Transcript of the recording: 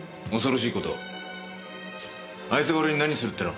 あいつが俺に何するっての？